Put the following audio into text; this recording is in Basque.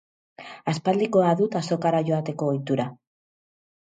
Aspaldikoa dut azokara joateko ohitura.